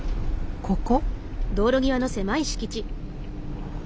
ここ？